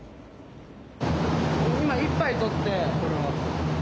今１杯取ってこれは。